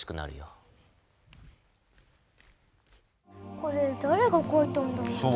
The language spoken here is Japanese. これだれがかいたんだろうね？